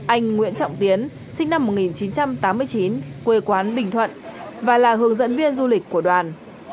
anh nguyễn trọng tiến sinh năm một nghìn chín trăm tám mươi chín quê quán bình thuận và là hướng dẫn viên du lịch của đoàn